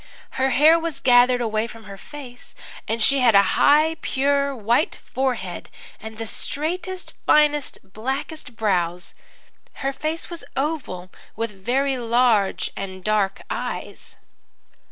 Her hair was gathered away from her face, and she had a high, pure, white forehead, and the straightest, finest, blackest brows. Her face was oval, with very large and dark eyes.